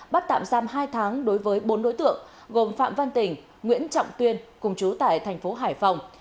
bắt tạm giam hai tháng đối với bốn đối tượng gồm phạm văn tỉnh nguyễn trọng tuyên cùng chú tại thành phố hải phòng